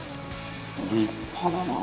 「立派だな」